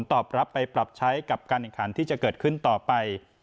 ตอบรับไปปรับใช้กับการแข่งขันที่จะเกิดขึ้นต่อไป